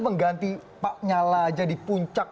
mengganti pak nyala aja di puncak